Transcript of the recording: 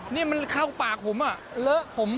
นี่มันเข้าปากผมอ่ะเลอะผม